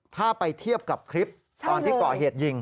ถ้าไปเทียบกับคลิปตอนที่ก่อเหตุยิง